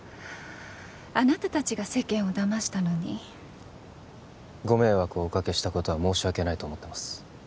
あなた達が世間をだましたのにご迷惑をおかけしたことは申し訳ないと思ってます